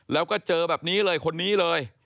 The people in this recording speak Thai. แล้วก็เจอแบบนี้เลยคนนี้เลย